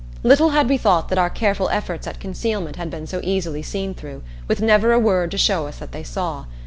Little had we thought that our careful efforts at concealment had been so easily seen through, with never a word to show us that they saw.